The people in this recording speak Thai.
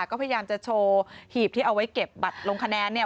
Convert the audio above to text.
ก็พยายามจะโชว์หีบที่เอาไว้เก็บบัตรลงคะแนนเนี่ย